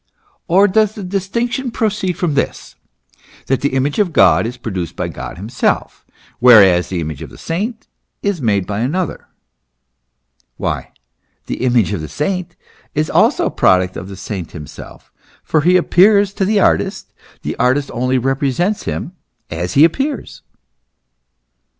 Or does the distinction proceed from this, that the Image of God is produced by God himself, whereas the image of the saint is made by another ? Why, the image of the saint is also a product of the saint himself : for he appears to the artist ; the artist only represents him as he appears.